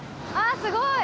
あっすごい！